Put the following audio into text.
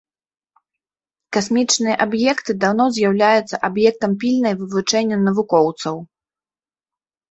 Касмічныя аб'екты даўно з'яўляюцца аб'ектам пільнай вывучэння навукоўцаў.